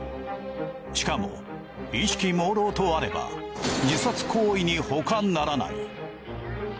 しかも意識朦朧とあれば自殺行為にほかならない。